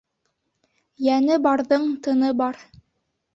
Йәне барҙың тыны бар.